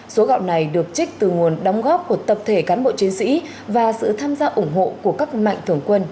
số gạo này được trích từ nguồn đóng góp của tập thể cán bộ chiến sĩ và sự tham gia ủng hộ của các mạnh thường quân